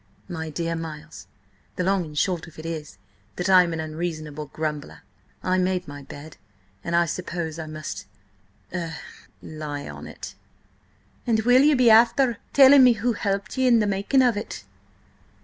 "My dear Miles, the long and short of it is that I am an unreasonable grumbler. I made my bed, and I suppose I must–er–lie on it." "And will ye be afther telling me who helped ye in the making of it?"